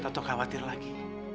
takut atau khawatir lagi